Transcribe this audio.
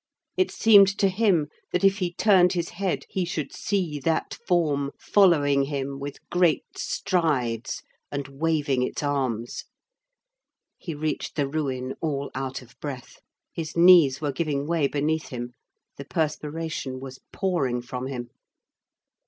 It seemed to him, that if he turned his head, he should see that form following him with great strides and waving its arms. He reached the ruin all out of breath. His knees were giving way beneath him; the perspiration was pouring from him.